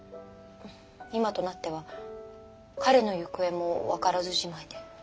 今となっては彼の行方も分からずじまいで。